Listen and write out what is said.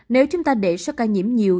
nếu chúng ta để so ca nhiễm nhiều